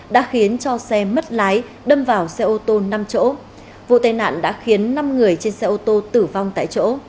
đã khiến cho xe mất lái đâm vào xe ô tô năm chỗ vụ tai nạn đã khiến năm người trên xe ô tô tử vong tại chỗ